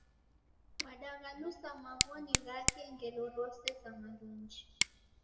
Wadaghalusa maw'oni ghake ngelo rose sa malunji